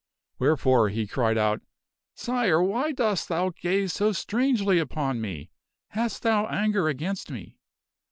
Wherefore he cried out, " Sire, why dost thou gaze so strangely upon me ? Has thou anger against me?"